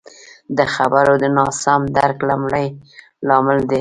د خبرو د ناسم درک لمړی لامل دادی